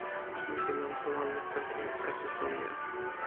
sinpin nanpa wan li toki e "kasi Sonja".